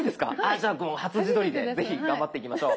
じゃあ初自撮りで是非頑張っていきましょう。